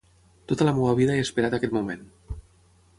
Tota la meva vida he esperat aquest moment.